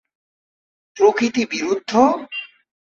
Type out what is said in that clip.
প্রকৃতি বিরুদ্ধ?